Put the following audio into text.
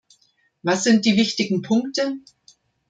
Was sind die wichtigen Punkte?